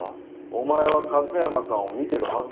お前は勝山さんを見てるはずだよな？